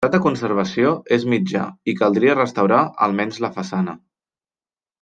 L'estat de conservació és mitjà i caldria restaurar almenys la façana.